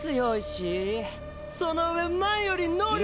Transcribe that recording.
その上前より能力